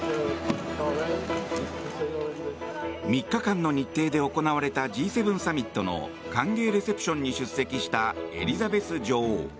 ３日間の日程で行われたＧ７サミットの歓迎レセプションに出席したエリザベス女王。